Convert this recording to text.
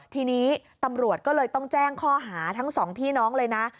ทีนี้ตำรวจก็เลยต้องแจ้งข้อหาทั้งสองพี่น้องเลยนะ